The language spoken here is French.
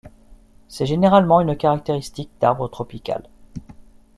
C'est généralement une caractéristique d'arbre tropical.